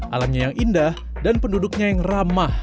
alamnya yang indah dan penduduknya yang ramah